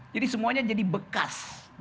jadi semuanya jadi bekas